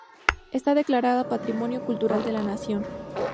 Está declarada patrimonio cultural de la Nación.